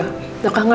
kau mau dateng pak